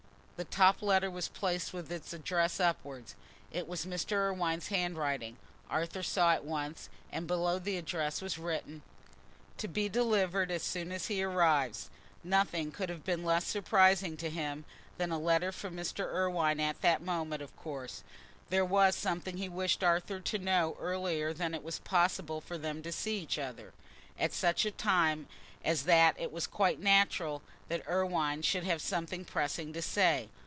The top letter was placed with its address upwards: it was in Mr. Irwine's handwriting, Arthur saw at once; and below the address was written, "To be delivered as soon as he arrives." Nothing could have been less surprising to him than a letter from Mr. Irwine at that moment: of course, there was something he wished Arthur to know earlier than it was possible for them to see each other. At such a time as that it was quite natural that Irwine should have something pressing to say.